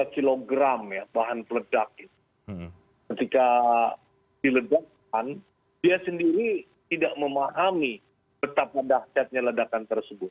tiga kg bahan peledak ketika di lebatan dia sendiri tidak memahami tetap mendahjatnya ledakan tersebut